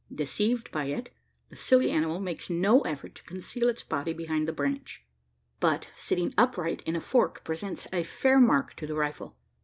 Deceived by it, the silly animal makes no effort to conceal its body behind the branch; but, sitting upright in a fork, presents a fair mark to the rifle.